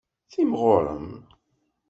Timɣurem.